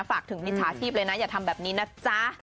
ฝากถึงมิจฉาชีพเลยนะอย่าทำแบบนี้นะจ๊ะ